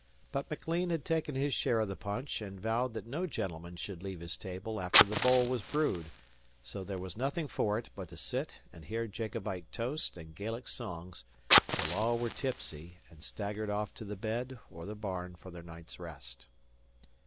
But Maclean had taken his share of the punch, and vowed that no gentleman should leave his table after the bowl was brewed; so there was nothing for it but to sit and hear Jacobite toasts and Gaelic songs, till all were tipsy and staggered off to the bed or the barn for their night's rest.